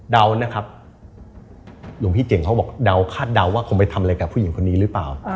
เดานะครับหลวงพี่เจ๋งเขาบอกเดาคาดเดาว่าคงไปทำอะไรกับผู้หญิงคนนี้หรือเปล่า